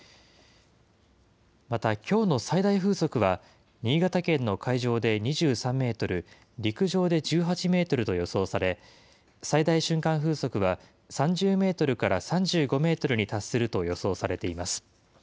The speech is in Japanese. また、きょうの最大風速は、新潟県の海上で２３メートル、陸上で１８メートルと予想され、最大瞬間風速は３０メートルから３５メートルに達すると予想されています。